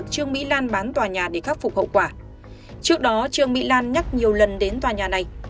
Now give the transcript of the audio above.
trước đó trương mỹ lan nhắc nhiều lần đến tòa nhà này